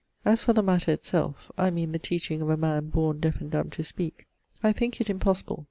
As for the matter it selfe, I meane the teaching of a man borne deafe and dumbe to speake, I thinke it impossible.